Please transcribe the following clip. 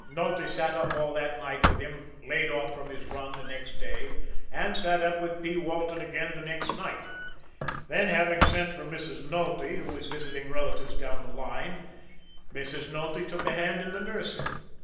Nulty sat up all that night with him, laid off from his run the next day, and sat up with P. Walton again the next night. Then, having sent for Mrs. Nulty, who was visiting relatives down the line, Mrs. Nulty took a hand in the nursing. Mrs.